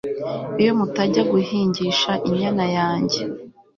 iyo mutajya guhingisha inyana yanjye